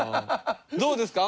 どうですか？